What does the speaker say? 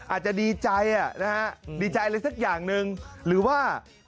อาจจะดีใจนะฮะดีใจอะไรสักอย่างหนึ่งหรือว่า